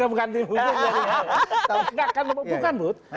enggak kan bukan but